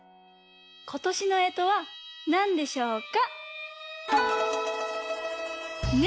ことしのえとはなんでしょか！